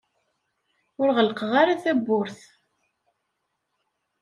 Ur ɣellqeɣ ara tawwurt.